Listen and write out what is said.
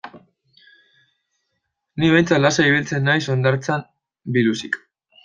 Ni behintzat lasai ibiltzen naiz hondartzan biluzik.